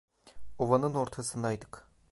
Ovanın ortasındaydık.